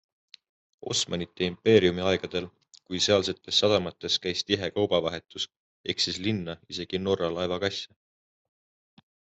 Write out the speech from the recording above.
Osmanite impeeriumi aegadel, kui sealsetes sadamates käis tihe kaubavahetus, eksis linna isegi Norra laevakasse.